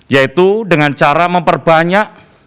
yaitu dengan cara memperbanyak